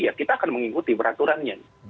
ya kita akan mengikuti peraturannya